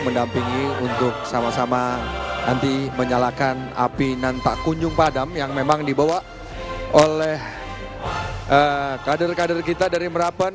mendampingi untuk sama sama nanti menyalakan api nanta kunjung padam yang memang dibawa oleh kader kader kita dari merapen